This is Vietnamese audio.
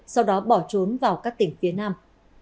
sau đó bỏ trốn vào các tỉnh phía nam